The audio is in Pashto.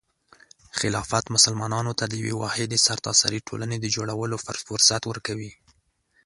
خلافت مسلمانانو ته د یوې واحدې سرتاسري ټولنې د جوړولو فرصت ورکوي.